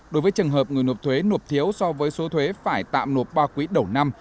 đối với trường hợp người nộp thuế nộp thiếu so với số thuế phải tạm nộp ba quý đầu năm